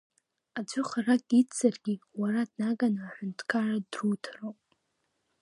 Аӡәы харак идзаргьы, уара днаганы аҳәынҭқараа друҭароуп…